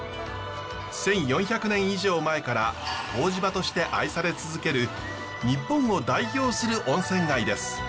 １，４００年以上前から湯治場として愛され続ける日本を代表する温泉街です。